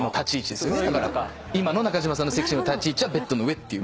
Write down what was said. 今の中島さんのｓｅｘｙの立ち位置はベッドの上っていう。